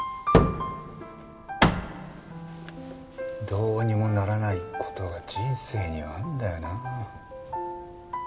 どうにもならない事が人生にはあるんだよな。